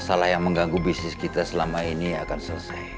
masalah yang mengganggu bisnis kita selama ini akan selesai